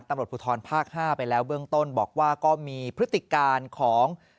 ตำรวจภูทรภาค๕ไปแล้วเบื้องต้นบอกว่าก็มีพฤติการของ